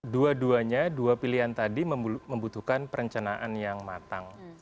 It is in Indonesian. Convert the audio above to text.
dua duanya dua pilihan tadi membutuhkan perencanaan yang matang